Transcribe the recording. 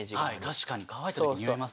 確かに乾いた時臭います。